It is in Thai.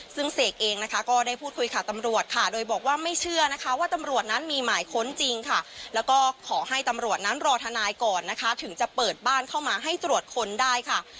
ซึ่งเสกเองนะคะก็ได้พูดคุยกับตำรวจค่ะโดยบอกว่าไม่เชื่อนะคะว่าตำรวจนั้นมีหมายค้นจริงค่ะแล้วก็ขอให้ตำรวจนั้นรอทนายก่อนนะคะถึงจะเปิดบ้านเข้ามาให้ตรวจค้นได้ค่ะ